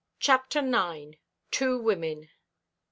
CHAPTER IX. TWO WOMEN.